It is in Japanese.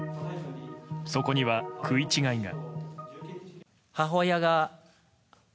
そこには食い違いが。